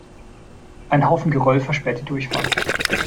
Ein Haufen Geröll versperrt die Durchfahrt.